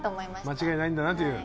間違いないんだなという。